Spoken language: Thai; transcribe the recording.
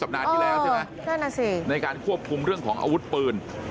นานที่แล้วใช่ไหมในการควบคุมเรื่องของอาวุธปืน